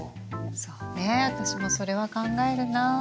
そうね私もそれは考えるな。